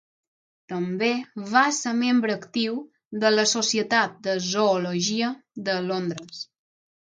També va ser membre actiu de la Societat de zoologia de Londres.